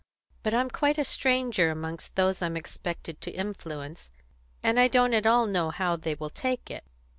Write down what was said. But I'm quite a stranger amongst those I'm expected to influence, and I don't at all know how they will take it."